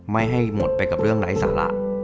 ไม่ให้หมดไปกับเรื่องไร้สาระ